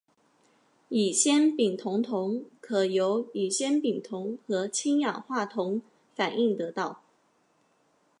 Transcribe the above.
乙酰丙酮铜可由乙酰丙酮和氢氧化铜反应得到。